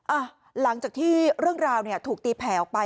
อ่ะหลังจากที่เรื่องราวเนี่ยถูกตีแผ่ออกไป